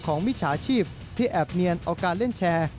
มิจฉาชีพที่แอบเนียนเอาการเล่นแชร์